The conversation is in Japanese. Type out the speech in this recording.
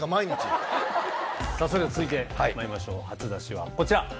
それでは続いてまいりましょう初出しはこちら。